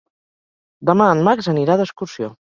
Demà en Max anirà d'excursió.